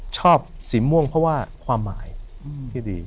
ชอบสีม่วงเพราะว่าความหมายที่ดี